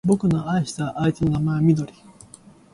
俺の愛した相手の名前はみどり